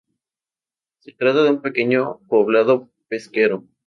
Se trata de un pequeño poblado pesquero.